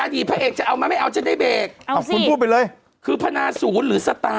อดีตพระเอกจะเอามาไม่เอาจะได้เบกเอาสิคือพนาศูนย์หรือสไตล์